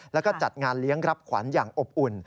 แล้วก็จัดงานเลี้ยงรับขวัญอย่างอบอุ่น